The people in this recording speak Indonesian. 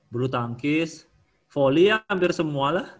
belutangkis volley ya hampir semua lah